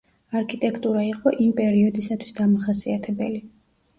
არქიტექტურა იყო იმ პერიოდისათვის დამახასიათებელი.